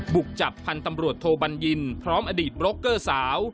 บุกจับพันธ์ตำรวจโทบัญญินพร้อมอดีตบร็อกเกอร์สาว